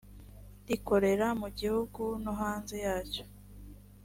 rikorera mu gihugu no hanze yacyo.